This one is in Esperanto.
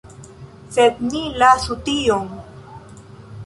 Sed ni lasu tion!